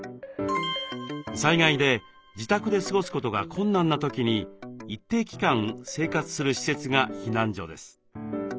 災害で自宅で過ごすことが困難な時に一定期間生活する施設が「避難所」です。